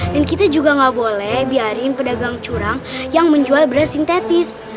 dan kita juga ga boleh biarin pedagang curang yang menjual beras sintetis